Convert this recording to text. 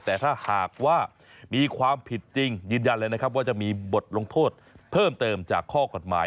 แต่ถ้าหากว่ามีความผิดจริงยืนยันเลยนะครับว่าจะมีบทลงโทษเพิ่มเติมจากข้อกฎหมาย